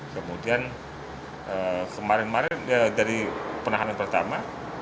kemudian kemarin kemarin dari penahanan pertama